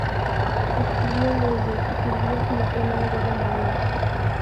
Estudió leyes y sirvió en la Primera Guerra Mundial.